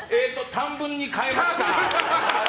短文に変えました。